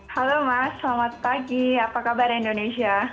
halo mas selamat pagi apa kabar indonesia